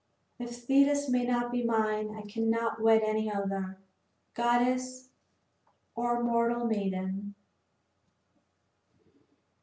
If Thetis may not be mine I cannot wed any other, goddess or mortal maiden."